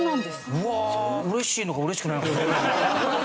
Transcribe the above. うわ嬉しいのか嬉しくないのか。